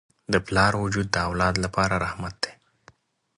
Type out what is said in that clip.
د پلار وجود د اولاد لپاره رحمت دی.